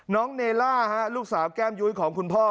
น้องเนล่าลูกสาวแก้มยุ้ยของคุณพ่อ